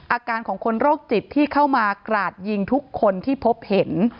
อาการของคนโรคจิตที่เข้ามากราดยิงทุกคนที่พบเห็น